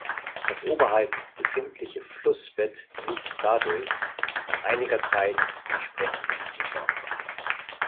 Das oberhalb befindliche Flussbett liegt dadurch nach einiger Zeit entsprechend tiefer.